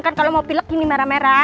kan kalau mau pilih gini merah merah